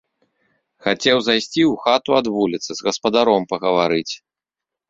Хацеў зайсці ў хату ад вуліцы з гаспадаром пагаварыць.